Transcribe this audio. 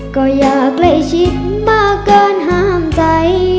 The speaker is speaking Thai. ก็อยากใกล้ชิดมากเกินห้ามใจ